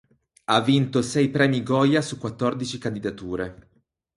Ha vinto sei Premi Goya su quattordici candidature.